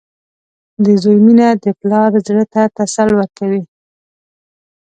• د زوی مینه د پلار زړۀ ته تسل ورکوي.